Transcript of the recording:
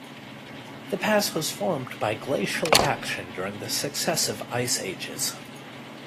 The pass was formed by glacial action during successive Ice Ages.